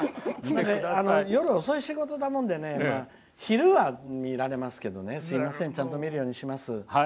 夜遅い仕事なもんで昼は見られますけど、すみませんちゃんと見るようにします。